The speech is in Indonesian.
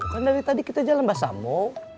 kan dari tadi kita jalan sama sama